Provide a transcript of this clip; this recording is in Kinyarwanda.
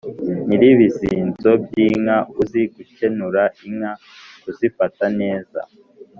nyiri ibizinzo by’inka: uzi gukenura inka (kuzifata neza)